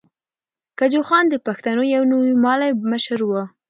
کجوخان د پښتنو یو نومیالی مشر ؤ.